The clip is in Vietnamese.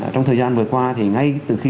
trong thời gian vừa qua ngay từ